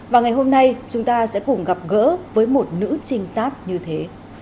và ngày hôm nay chúng ta sẽ cùng gặp gỡ với một nữ trinh sát như thế